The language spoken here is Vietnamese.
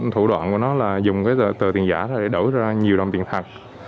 thủ đoạn của nó là dùng cái tờ tiền giả ra để đổi ra nhiều đồng tiền thật